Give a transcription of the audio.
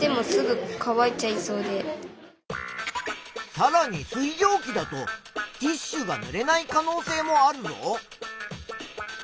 さらに水蒸気だとティッシュがぬれない可能性もあるぞ。